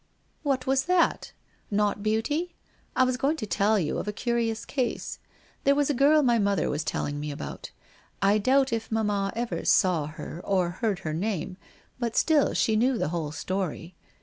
' What was that ? Not beauty ? I was going to tell you of a curious case. There was a girl my mother was telling me about — I doubt if mamma ever saw her or heard her name — but still she knew the whole story.